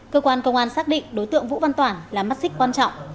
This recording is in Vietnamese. cơ quan công an xác định đối tượng vũ văn toản là mắt xích quan trọng